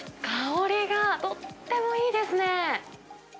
香りがとってもいいですね。